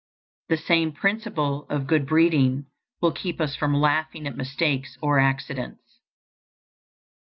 The same principle of good breeding will keep us from laughing at mistakes or accidents.